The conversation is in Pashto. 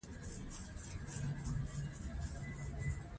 د غرونو په لمنو کې د ژوند خوند وي.